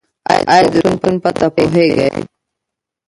ایا د روغتون پته پوهیږئ؟